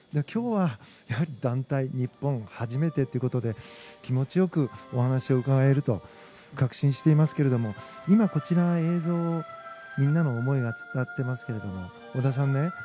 今日は団体日本初めてということで気持ちよくお話を伺えると確信していますけれど今、こちらの映像みんなの思いが伝わっていますけど織田さんね